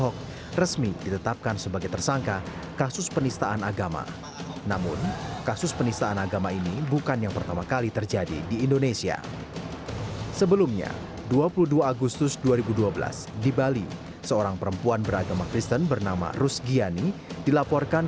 kami hadirkan informasinya untuk anda